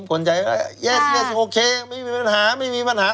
คนไทยโอเคไม่มีปัญหาไม่มีปัญหา